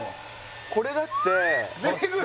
これだってね